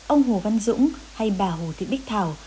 ông hồ văn dũng hay bà hồ thị bích thảo